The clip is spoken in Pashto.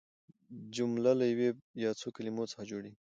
جمله له یوې یا څو کلیمو څخه جوړیږي.